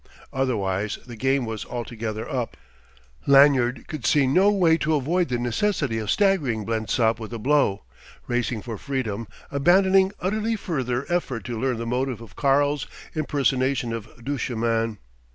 Otherwise the game was altogether up; Lanyard could see no way to avoid the necessity of staggering Blensop with a blow, racing for freedom, abandoning utterly further effort to learn the motive of "Karl's" impersonation of Duchemin.